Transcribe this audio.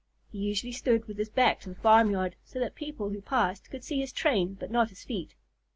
He usually stood with his back to the farmyard, so that people who passed could see his train but not his feet.